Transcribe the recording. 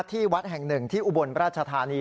ที่วัดแห่งหนึ่งที่อุบลราชธานี